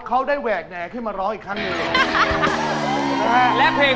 เขาได้แหวกแหน่ขึ้นมาร้องอีกครั้งหนึ่ง